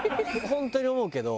本当に思うけど。